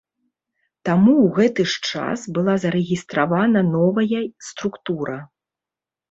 Таму ў гэты ж час была зарэгістравана новая структура.